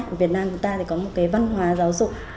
ở việt nam chúng ta thì có một cái văn hóa giáo dục